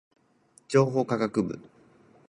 情報科学部